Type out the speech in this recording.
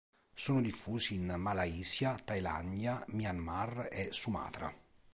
Sono diffusi in Malaysia, Thailandia, Myanmar e Sumatra.